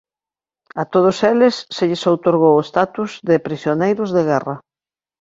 A todos eles se lles outorgou o status de prisioneiros de guerra.